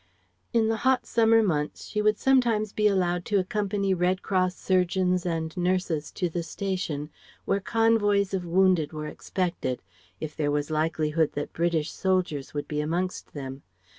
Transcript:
In the hot summer months she would sometimes be allowed to accompany Red Cross surgeons and nurses to the station, when convoys of wounded were expected, if there was likelihood that British soldiers would be amongst them.